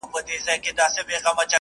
o دا ناځوانه نور له كاره دى لوېــدلى ـ